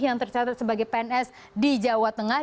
yang tercatat sebagai pns di jawa tengah